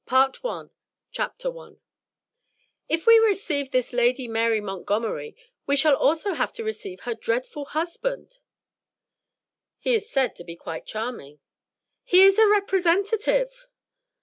_ SENATOR NORTH I "If we receive this Lady Mary Montgomery, we shall also have to receive her dreadful husband." "He is said to be quite charming." "He is a Representative!"